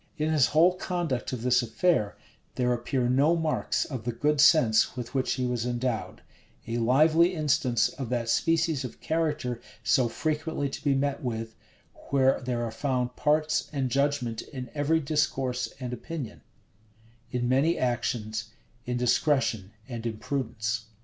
In his whole conduct of this affair, there appear no marks of the good sense with which he was endowed: a lively instance of that species of character so frequently to be met with; where there are found parts and judgment in every discourse and opinion; in many actions, indiscretion and imprudence.